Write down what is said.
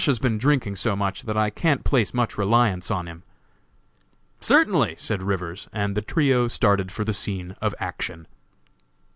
has been drinking so much that I can't place much reliance on him." "Certainly," said Rivers, and the trio started for the scene of action.